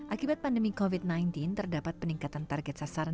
akibat pandemi covid sembilan belas terdapat peningkatan target sasaran